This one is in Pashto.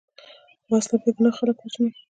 وسله بېګناه خلک وژلي